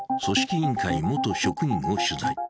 委員会元職員を取材。